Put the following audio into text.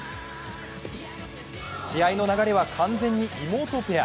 試合の流れは完全に妹ペア。